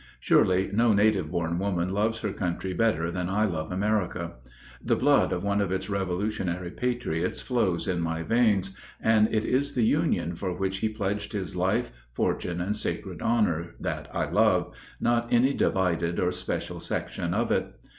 Surely no native born woman loves her country better than I love America. The blood of one of its Revolutionary patriots flows in my veins, and it is the Union for which he pledged his "life, fortune, and sacred honor" that I love, not any divided or special section of it.